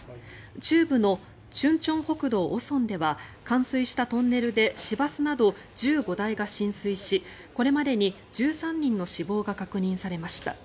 中部の忠清北道五松では冠水したトンネルで市バスなど１５台が浸水しこれまでに１３人の死亡が確認されました。